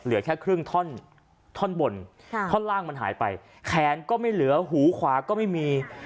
เหลือแค่ครึ่งท่อนท่อนบนท่อนล่างมันหายไปแขนก็ไม่เหลือหูขวาก็ไม่มี